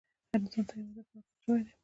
هر انسان ته یو هدف ورکړل شوی دی.